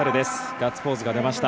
ガッツポーズが出ました。